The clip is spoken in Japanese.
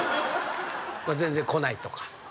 全然来ないとか。